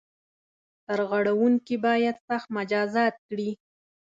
سرغړوونکي باید سخت مجازات کړي.